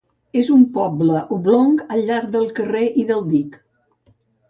És un poble oblong al llarg del carrer i del dic.